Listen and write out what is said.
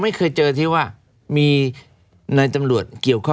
ไม่ค่อยใช้กันเหรอคะ